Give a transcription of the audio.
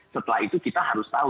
setelah itu kita harus tahu